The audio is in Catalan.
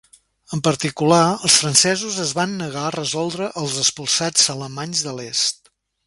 En particular, els francesos es van negar a resoldre els expulsats alemanys de l'est.